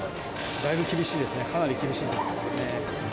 だいぶ厳しいですね、かなり厳しいですね。